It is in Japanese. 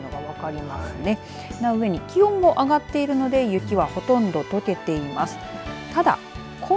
その上に、気温も上がっているので、雪はほとんど溶けています。